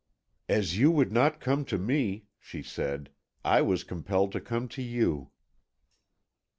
"As you would not come to me," she said, "I was compelled to come to you."